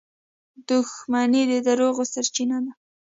• دښمني د دروغو سرچینه ده.